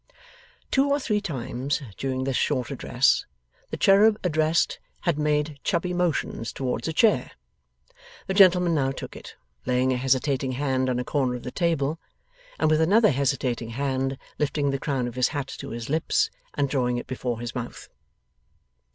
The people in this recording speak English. Two or three times during this short address, the cherub addressed had made chubby motions towards a chair. The gentleman now took it, laying a hesitating hand on a corner of the table, and with another hesitating hand lifting the crown of his hat to his lips, and drawing it before his mouth.